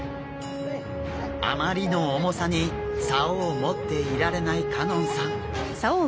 あまりの重さに竿を持っていられない香音さん。